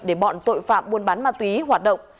để bọn tội phạm buôn bán ma túy hoạt động